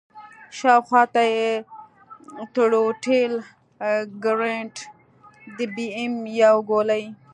شاوخوا ته يې ټروټيل ګرنېټ د بي ام يو ګولۍ.